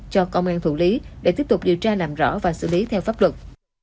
cho công an thủ lý để tiếp tục điều tra làm rõ và xử lý theo pháp luật